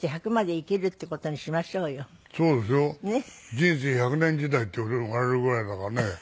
人生１００年時代っていわれるぐらいだからね。